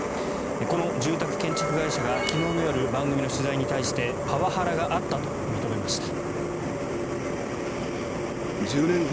この住宅建築会社が昨日の夜番組の取材に対してパワハラがあったと認めました。